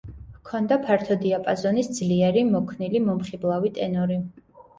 ჰქონდა ფართო დიაპაზონის, ძლიერი, მოქნილი, მომხიბლავი ტენორი.